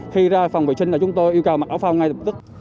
khi ra phòng vệ sinh là chúng tôi yêu cầu mặc áo phao ngay lập tức